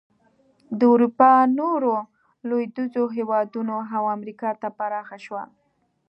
د اروپا نورو لوېدیځو هېوادونو او امریکا ته پراخه شوه.